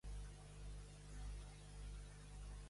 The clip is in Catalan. De què tracta el Projecte COMconèixer?